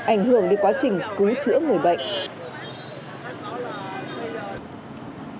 ảnh hưởng đến quá trình cứu chữa người bệnh